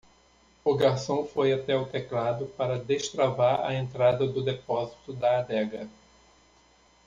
O garçom foi até o teclado para destravar a entrada do depósito da adega.